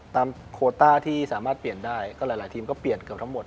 โคต้าที่สามารถเปลี่ยนได้ก็หลายทีมก็เปลี่ยนเกือบทั้งหมด